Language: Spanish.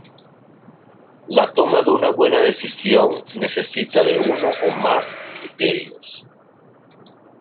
La toma de una buena decisión necesita de uno o más criterios.